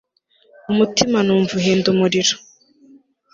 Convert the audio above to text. Umutima numva uhinda umuriro